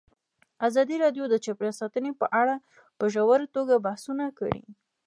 ازادي راډیو د چاپیریال ساتنه په اړه په ژوره توګه بحثونه کړي.